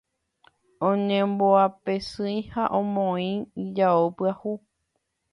oñemoapesýi ha omoĩ ijao pyahu